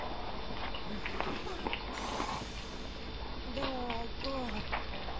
でもゴウ。